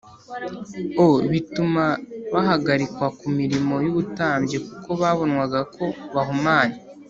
o bituma bahagarikwa ku murimo w ubutambyi kuko babonwaga ko bahumanye